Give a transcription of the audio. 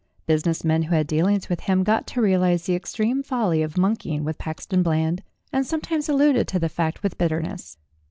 Business men who had dealings with him got to realize the extreme folly of monkeying with Pax ton Bland, and sometimes alluded to the fact with bitterness.